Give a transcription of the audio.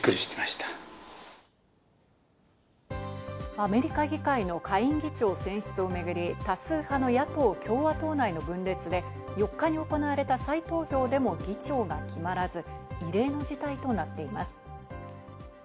アメリカ議会の下院議長選出をめぐり多数派の野党・共和党内の分裂で４日に行われた再投票でも議長が決まらず異例の事態となっています。